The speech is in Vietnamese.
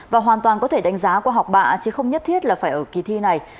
và hoàn toàn có thể đánh giá qua học bạ chứ không nhất thiết là phải ở kỳ thi này